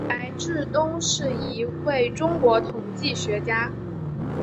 白志东是一位中国统计学家。